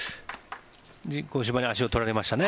人工芝に足を取られましたね。